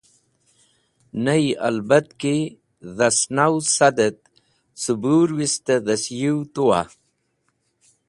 Ney, albat ki dhasnaw sad et cẽbũrwist dhasyũw tu a.